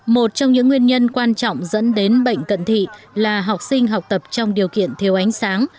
một trong những nguyên nhân quan trọng dẫn đến bệnh cận thị là học sinh học tập trong điều kiện thiếu ánh sáng